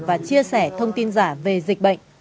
và chia sẻ thông tin giả về dịch bệnh